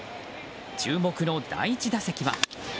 注目の第１打席は。